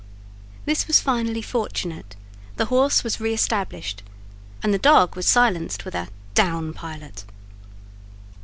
This was finally fortunate; the horse was re established, and the dog was silenced with a "Down, Pilot!"